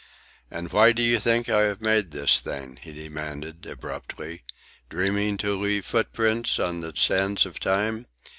"And why do you think I have made this thing?" he demanded, abruptly. "Dreaming to leave footprints on the sands of time?"